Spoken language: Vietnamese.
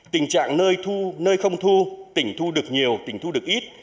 tình trạng nơi không thu tỉnh thu được nhiều tỉnh thu được ít